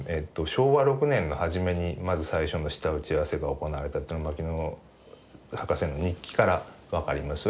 昭和６年の初めにまず最初の下打ち合わせが行われたというのが牧野博士の日記から分かります。